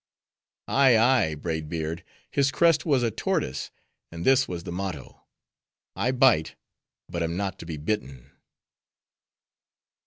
"Ay, ay, Braid Beard; his crest was a tortoise; and this was the motto:—'I bite, but am not to be bitten.